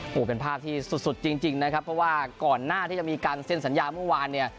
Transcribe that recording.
โอ้โหเป็นภาพที่สุดจริงนะครับเพราะว่าก่อนหน้าที่จะมีการเซ็นสัญญาเมื่อวานเนี่ย